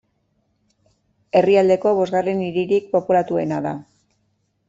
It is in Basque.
Herrialdeko bosgarren hiririk populatuena da.